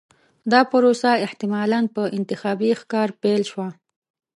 دا پروسه احتمالاً په انتخابي ښکار پیل شوه.